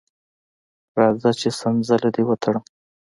راځه چې څنځله دې وتړم.